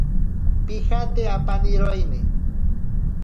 Pijate apaniroini.